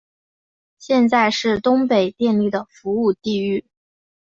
现在是东北电力的服务地域。